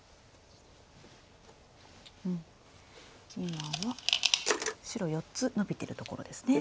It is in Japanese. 今は白４つノビてるところですね。